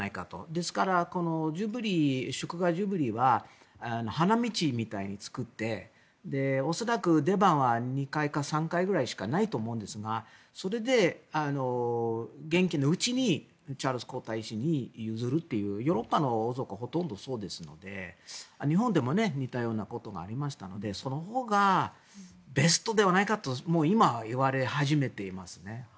ですから、祝賀ジュビリーは花道みたいに作って恐らく出番は２回か３回ぐらいしかないと思うんですがそれで、元気なうちにチャールズ皇太子に譲るというヨーロッパの王族はほとんどそうですので日本でも似たようなことがありましたのでそのほうがベストではないかと今は言われ始めていますね。